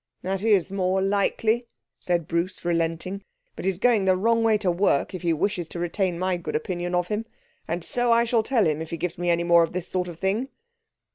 'That is more likely,' said Bruce, relenting. 'But he's going the wrong way to work if he wishes to retain my good opinion of him. And so I shall tell him if he gives me any more of this sort of thing.'